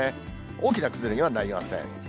大きな崩れにはなりません。